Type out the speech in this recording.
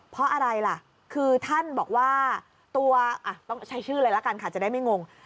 เพราะอะไรล่ะคือท่านบอกว่าตัวต้องใช้ชื่อเลยละกันค่ะจะได้ไม่งง